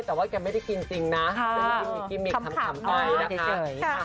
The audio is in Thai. แต่อย่ากินจริงนะก็มีกิมิกทำคำตอนนี้ด้วยนะคะ